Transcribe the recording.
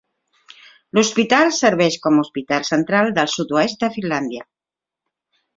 L'hospital serveix com a hospital central del sud-oest de Finlàndia.